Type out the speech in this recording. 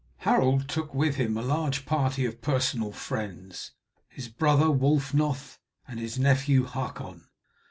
Harold took with him a large party of personal friends, his brother Wulfnoth, and his nephew Hakon.